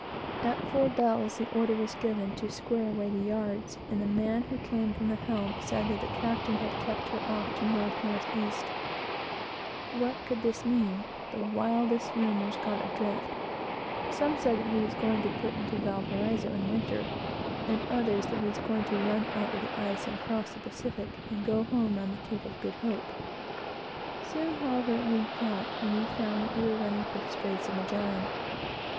At four bells the order was given to square away the yards; and the man who came from the helm said that the captain had kept her off to N. N. E. What could this mean? Some said that he was going to put into Valparaiso, and winter, and others that he was going to run out of the ice and cross the Pacific, and go home round the Cape of Good Hope. Soon, however, it leaked out, and we found that we were running for the straits of Magellan.